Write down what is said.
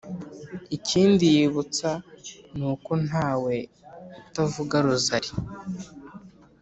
ikindi yibutsa ni uko ntawe utavuga rozali